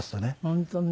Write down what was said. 本当ね。